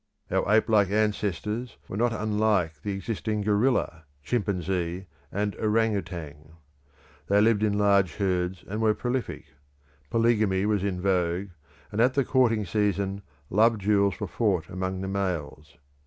Our ape like ancestors were not unlike the existing gorilla, chimpanzee, and orang utang. They lived in large herds and were prolific; polygamy was in vogue, and at the courting season love duels were fought among the males.